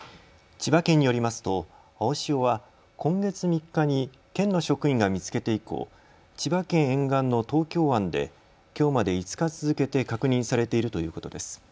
千葉県によりますと青潮は今月３日に県の職員が見つけて以降、千葉県沿岸の東京湾できょうまで５日続けて確認されているということです。